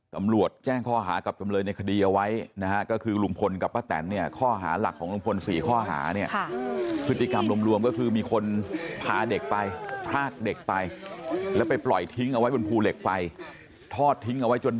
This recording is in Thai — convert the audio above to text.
กำลวดแจ้งข้อหากรับทำเลยในคดีเอาไว้